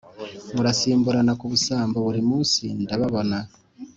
Murasimburana ku busambo burimunsi ndababona